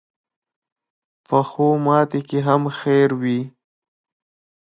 پخو ماتو کې هم خیر وي